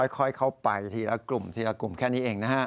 ค่อยเข้าไปทีละกลุ่มทีละกลุ่มแค่นี้เองนะฮะ